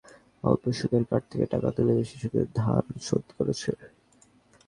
অল্প সুদের কার্ড থেকে টাকা তুলে বেশি সুদের ধার শোধ করছে।